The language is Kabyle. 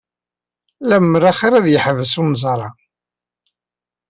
Lemmer axir ad yeḥbes unẓar-a.